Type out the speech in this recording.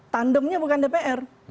tandemnya bukan dpr